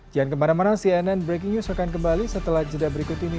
jangan kemana mana cnn breaking news akan kembali setelah jeda berikut ini